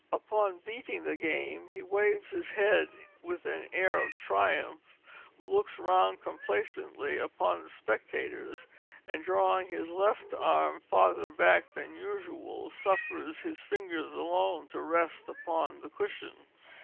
Upon beating the game, he waves his head with an air of triumph, looks round complacently upon the spectators, and drawing his left arm farther back than usual, suffers his fingers alone to rest upon the cushion.